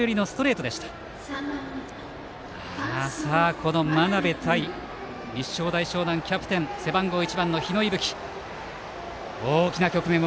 この真鍋対立正大淞南キャプテン背番号１番の日野勇吹。